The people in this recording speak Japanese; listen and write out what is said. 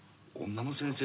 女の先生。